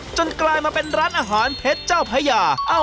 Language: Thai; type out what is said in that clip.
จนกลายเป็นร้านอาหารเทศเจ้าพระยา